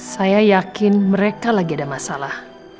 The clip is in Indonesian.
saya yakin mereka lagi ada masalah